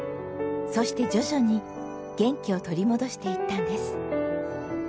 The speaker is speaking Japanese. そして徐々に元気を取り戻していったんです。